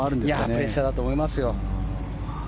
プレッシャーだと思いますよ。